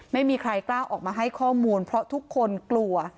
ไม่มีใครกล้าออกมาให้ข้อมูลเพราะทุกคนกลัว